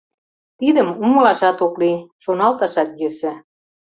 Тидым умылашат ок лий, шоналташат йӧсӧ.